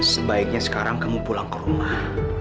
sebaiknya sekarang kamu pulang ke rumah